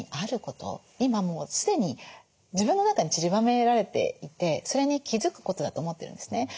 今もう既に自分の中にちりばめられていてそれに気付くことだと思ってるんですね。